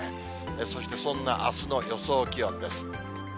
そしてそんなあすの予想気温です。